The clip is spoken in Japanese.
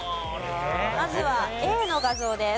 まずはＡの画像です。